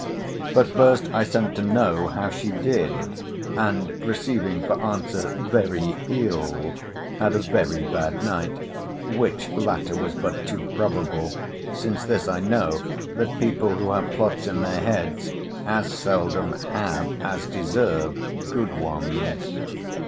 But first I sent to know how she did; and receiving for answer, Very ill: had a very bad night: which latter was but too probable; since this I know, that people who have plots in their heads as seldom have as deserve good ones.